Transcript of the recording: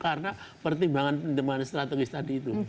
karena pertimbangan strategis tadi itu